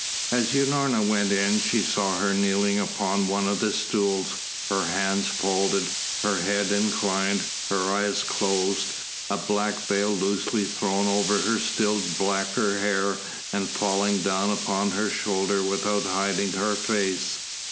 As Unorna went in, she saw her kneeling upon one of the stools, her hands folded, her head inclined, her eyes closed, a black veil loosely thrown over her still blacker hair and falling down upon her shoulder without hiding her face.